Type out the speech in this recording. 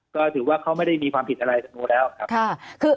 ก็ถือว่าเขาไม่ได้มีความผิดอะไรจากหนูแล้วครับ